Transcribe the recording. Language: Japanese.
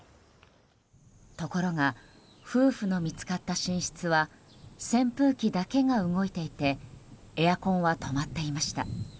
ところが夫婦の見つかった寝室は扇風機だけが動いていてエアコンは止まっていました。